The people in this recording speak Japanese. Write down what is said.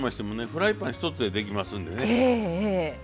フライパンひとつでできますんでね。